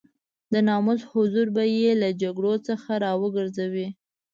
د ناموس حضور به يې له جګړو څخه را وګرځوي.